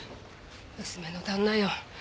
娘の旦那よ